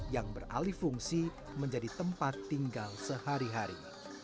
yang beralih fungsi menjadi tempat tinggal sehari hari